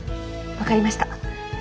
分かりました。